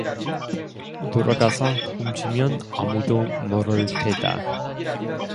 들어가서 훔치면 아무도 모를 테다.